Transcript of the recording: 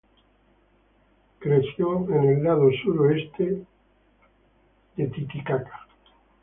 Creció en el lado suroeste de Chicago.